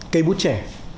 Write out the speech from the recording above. cây bút trẻ